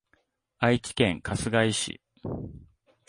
愛知県春日井市